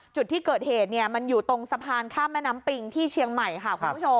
จุดที่เกิดเหตุมันอยู่ตรงสะพานข้ามแม่น้ำปิงที่เชียงใหม่ค่ะคุณผู้ชม